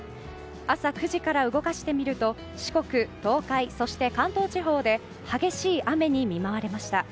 朝９時から動かしてみると四国、東海、そして関東地方で激しい雨に見舞われました。